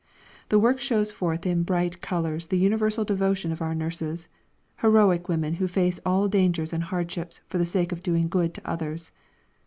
The work shows forth in bright colours the universal devotion of our nurses heroic women who face all dangers and hardships for the sake of doing good to others.